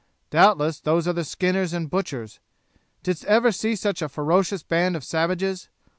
Doubtless those are the skinners and butchers. Didst ever see such a ferocious band of savages?